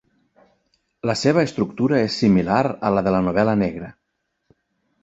La seva estructura és similar a la de la novel·la negra.